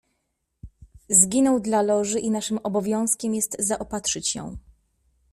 "Zginął dla Loży i naszym, obowiązkiem jest zaopatrzyć ją."